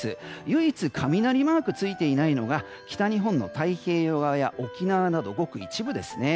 唯一、雷マークがついていないのが北日本の太平洋側や沖縄などごく一部ですね。